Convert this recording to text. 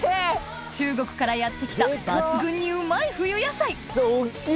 ・中国からやって来た抜群にうまい冬野菜大っきい！